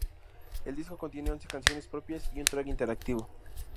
El disco contiene once canciones propias y un track interactivo.